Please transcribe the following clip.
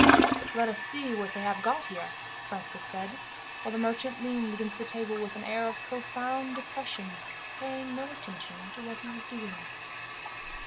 "Let us see what they have got here," Francis said, while the merchant leaned against the table with an air of profound depression, paying no attention to what he was doing.